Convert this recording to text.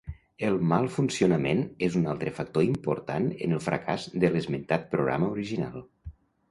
El mal funcionament és un altre factor important en el fracàs de l'esmentat programa original.